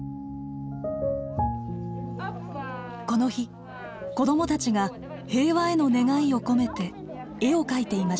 この日子どもたちが平和への願いを込めて絵を描いていました。